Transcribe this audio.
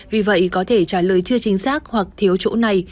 vì vậy có thể trả lời chưa chính xác hoặc thiếu chỗ này